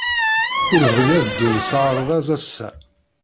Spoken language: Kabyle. Ur bɣin ad ddun s aɣerbaz ass-a.